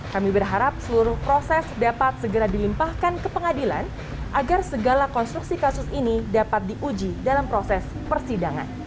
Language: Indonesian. kami berharap seluruh proses dapat segera dilimpahkan ke pengadilan agar segala konstruksi kasus ini dapat diuji dalam proses persidangan